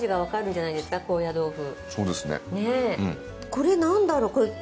これなんだろうこれ。